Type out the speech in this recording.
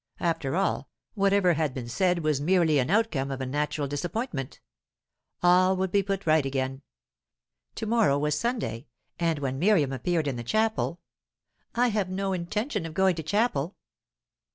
After all, whatever had been said was merely the outcome of a natural disappointment. All would be put right again. To morrow was Sunday, and when Miriam appeared in the chapel "I have no intention of going to chapel."